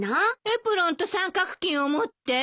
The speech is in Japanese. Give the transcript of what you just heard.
エプロンと三角巾を持って？